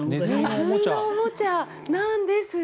ネズミのおもちゃなんですが。